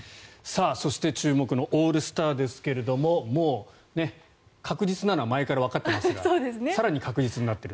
注目のオールスターですがもう確実なのは前からわかってますが更に確実になっている。